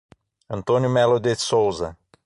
Antônio Melo de Souza